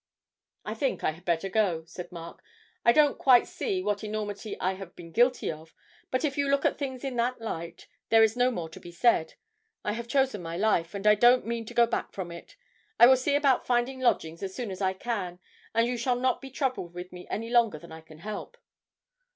'I think I had better go,' said Mark; 'I don't quite see what enormity I have been guilty of, but if you look at things in that light, there is no more to be said. I have chosen my life, and I don't mean to go back from it. I will see about finding lodgings as soon as I can, and you shall not be troubled with me any longer than I can help.'